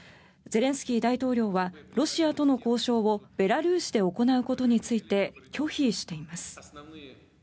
ゼレンスキー大統領はロシアとの交渉をベラルーシで行うことについて拒否しています。